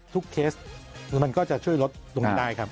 ทุกเคสมันก็จะช่วยลดลงไปได้ครับ